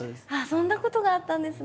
そんなことがあったんですね。